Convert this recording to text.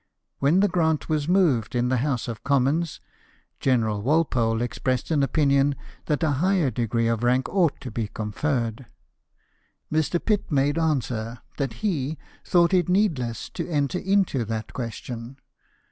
When the grant was moved in the House of Commons, General Walpole expressed an opinion that a higher degree of rank ought to be conferred. Mr. Pitt made answer that he thought it needless to enter into that question.